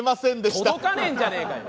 届かねえんじゃねえかよ！